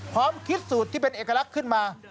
คิดสูตรที่เป็นเอกลักษณ์ขึ้นมา